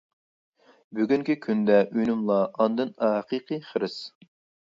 بۈگۈنكى كۈندە ئۈنۈملا ئاندىن ھەقىقىي خىرىس.